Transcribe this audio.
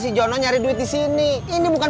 si jono nyari duit disini ini bukan